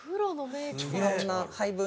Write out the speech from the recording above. いろんな配分